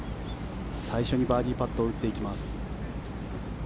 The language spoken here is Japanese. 最初にバーディーパットを打っていきます。